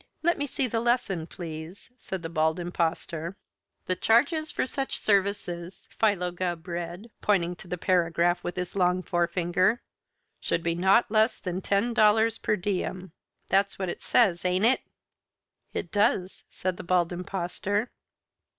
Let me see the lesson, please," said the Bald Impostor. "'The charges for such services,'" Philo Gubb read, pointing to the paragraph with his long forefinger, "'should be not less than ten dollars per diem.' That's what it says, ain't it?" "It does," said the Bald Impostor.